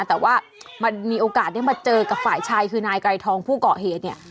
แต่ว่ามันมีโอกาสได้มาเจอกับฝ่ายชายคือนายไกรทองผู้เกาะเหตุเนี่ย